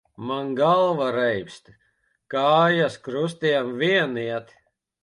Man galva reibst, kājas krustiem vien iet.